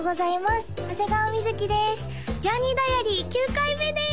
９回目です